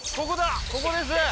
ここです！